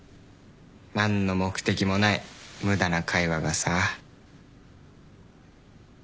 何の目的もない無駄な会話がさ。